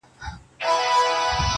نور څه نه وای چي هر څه وای!!